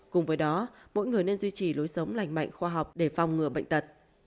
cùng với đó mỗi người nên duy trì lối sống lành mạnh khoa học để phòng ngừa bệnh tật